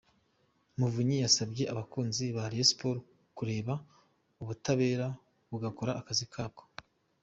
Muvunyi yasabye abakunzi ba Rayon Sports kureka ubutabera bugakora akazi kabwo.